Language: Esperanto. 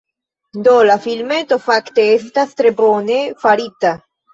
Do, la filmeto fakte estas tre bone farita